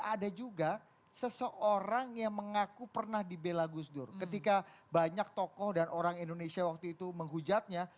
ada juga seseorang yang mengaku pernah dibela gus dur ketika banyak tokoh dan orang indonesia waktu itu menghujatnya